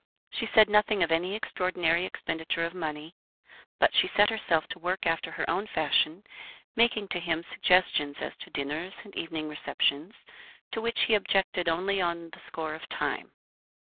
She said nothing of any extraordinary expenditure of money. But she set herself to work after her own fashion, making to him suggestions as to dinners and evening receptions, to which he objected only on the score of time.